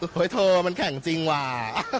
เฮ้ยเธอมันแข่งจริงว่ะ